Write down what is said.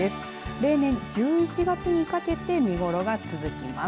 例年１１月にかけて見頃が続きます。